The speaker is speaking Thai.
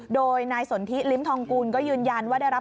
โดยนายสนทิลิ้มทองกูลก็ยืนยันว่าได้รับ